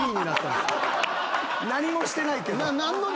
何もしてないけど。